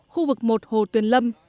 khu vực một hồ tuyển lâm